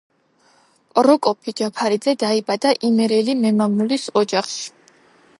პროკოფი ჯაფარიძე დაიბადა იმერელი მემამულის ოჯახში.